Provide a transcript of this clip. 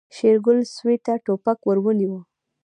شېرګل سوی ته ټوپک ور ونيو.